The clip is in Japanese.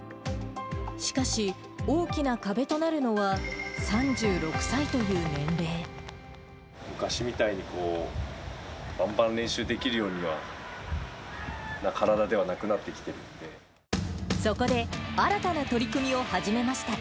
しかし、大きな壁となるのは、昔みたいにこう、ばんばん練習できるようには、そこで、新たな取り組みを始めました。